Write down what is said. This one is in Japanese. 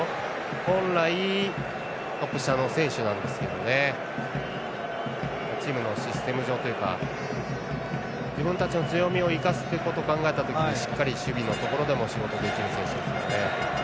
本来トップ下の選手なんですけどねチームのシステム上というか自分たちの強みを生かすということを考えた時にしっかり守備のところでも仕事ができる選手ですよね。